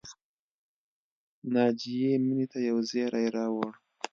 ناجیې مینې ته یو زېری راوړ